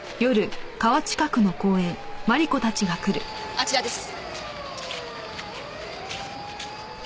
あちらです。